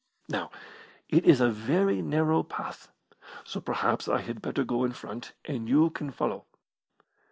Now, it is a very narrow path, so perhaps I had better go in front, and you can follow."